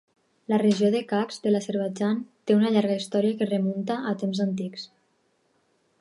La regió de Qax de l'Azerbaidjan té una llarga història que es remunta a temps antics.